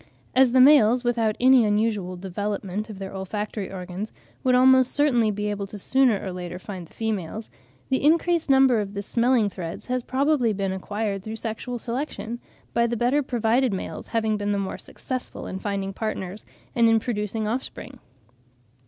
As the males, without any unusual development of their olfactory organs, would almost certainly be able sooner or later to find the females, the increased number of the smelling threads has probably been acquired through sexual selection, by the better provided males having been the more successful in finding partners and in producing offspring.